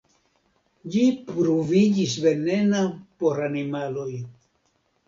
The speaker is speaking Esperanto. Ĝi pruviĝis venena por animaloj.